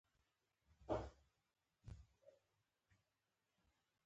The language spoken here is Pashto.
رښتیا ویل او لیکل ټولنه اصلاح کوي.